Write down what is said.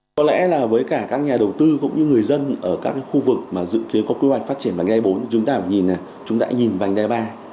có lẽ là với cả các nhà đầu tư cũng như người dân ở các khu vực mà dự kiến có quy hoạch phát triển vành đai bốn chúng ta nhìn này chúng ta nhìn vành đai ba